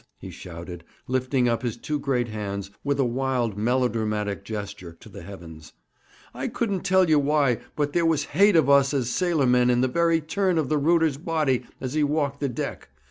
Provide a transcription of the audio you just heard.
he shouted, lifting up his two great hands, with a wild melodramatic gesture, to the heavens. 'I couldn't tell you why, but there was hate of us as sailor men in the very turn of the rooter's body as he walked the deck.